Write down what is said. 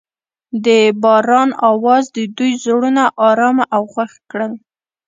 د باران اواز د دوی زړونه ارامه او خوښ کړل.